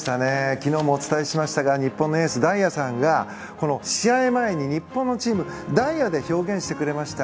昨日もお伝えしましたが日本のエース大輝さんが試合前に日本のチームダイヤで表現してくれました。